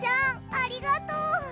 ありがとう！